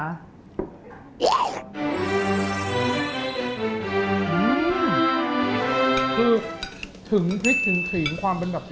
คือถึงพริกถึงกลิ่นความเป็นแบบลาออกไป